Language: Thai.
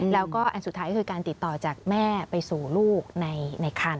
แล้วก็อันสุดท้ายคือการติดต่อจากแม่ไปสู่ลูกในคัน